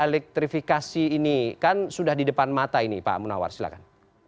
elektrifikasi ini kan sudah di depan mata ini pak munawar silahkan